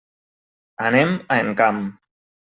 Anem a Encamp.